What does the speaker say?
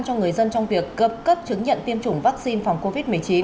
cho người dân trong việc cấp chứng nhận tiêm chủng vaccine phòng covid một mươi chín